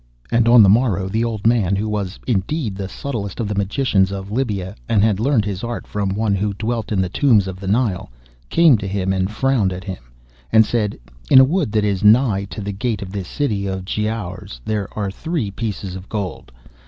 And on the morrow the old man, who was indeed the subtlest of the magicians of Libya and had learned his art from one who dwelt in the tombs of the Nile, came in to him and frowned at him, and said, 'In a wood that is nigh to the gate of this city of Giaours there are three pieces of gold.